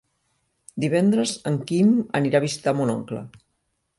Divendres en Quim anirà a visitar mon oncle.